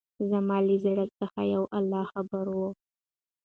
زما له زړه څخه يو الله خبر وو.